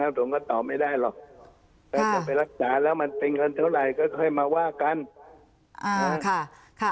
ผมก็ตอบไม่ได้หรอกถ้าจะไปรักษาแล้วมันเป็นเงินเท่าไหร่ก็ค่อยมาว่ากัน